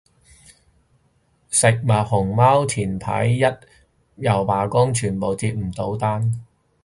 食物熊貓前排又罷工，全部接唔到單